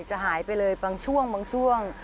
จะหายไปเลยบางช่วง